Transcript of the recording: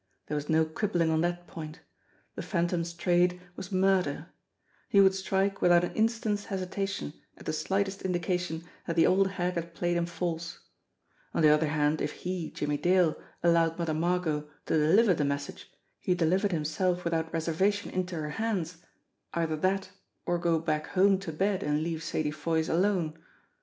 There was no quibbling on that point. The Phantom's trade was mur A TAPPED WIRE 233 der. He would strike without an instant's hesitation at the slightest indication that the old hag had played him false. On the other hand if he, Jimmie Dale, allowed Mother Margot to deliver the message he delivered himself without reservation into her hands either that, or go back home to bed and leave Sadie Foy's alone.